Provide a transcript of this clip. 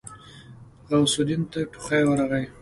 غوث الدين ته ټوخی ورغی.